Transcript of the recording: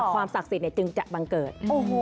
ศักดิ์สิทธิ์จึงจะบังเกิด